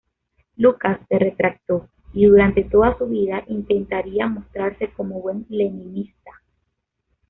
Lukács se retractó, y durante toda su vida intentaría mostrarse como buen leninista.